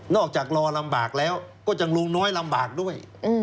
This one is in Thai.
จากรอลำบากแล้วก็ยังลุงน้อยลำบากด้วย